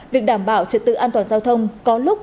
việc đảm bảo trật tự an toàn giao thông có lúc